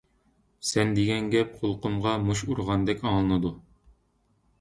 سەن دېگەن گەپ قۇلىقىمغا مۇش ئۇرغاندەك ئاڭلىنىدۇ.